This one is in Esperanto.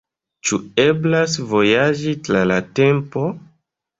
Ĉu eblas vojaĝi tra la tempo?